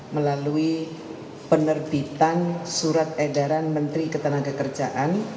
melalui penerbitan surat edaran menteri ketenagakerjaan